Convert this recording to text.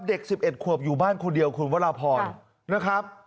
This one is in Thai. เด็ก๑๑ขวบอยู่บ้านคนเดียวคุณวรพรนะครับ